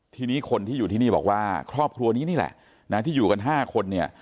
ทีนี้คนที่อยู่ที่นี่บอกว่าครอบครัวนี้นี่แหละนะที่อยู่กัน๕คนเนี่ย